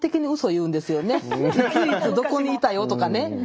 いついつどこにいたよとかね。